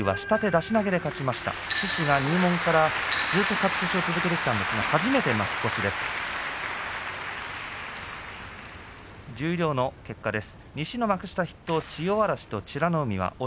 獅司が入門からずっと勝ち越しを続けてきたんですが初めて負け越しです。